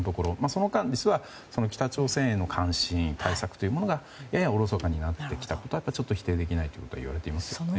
その間、北朝鮮への監視対策というものがややおろそかになってきたことはちょっと否定できないといわれていますね。